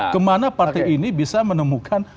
kemana partai ini bisa menemukan